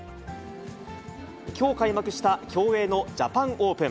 きょう開幕した競泳のジャパンオープン。